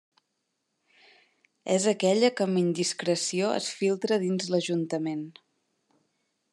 És aquella que amb indiscreció es filtra dins l'Ajuntament.